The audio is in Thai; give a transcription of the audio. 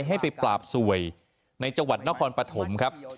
ให้ไปปราบสวยในจังหวัดนครปฐมครับ